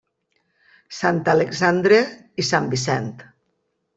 Sant Alexandre i Sant Vicent.